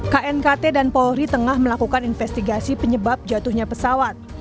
knkt dan polri tengah melakukan investigasi penyebab jatuhnya pesawat